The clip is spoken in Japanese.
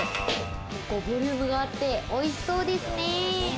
ボリュームがあっておいしそうですね。